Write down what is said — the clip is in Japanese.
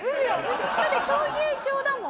だって闘牛場だもん。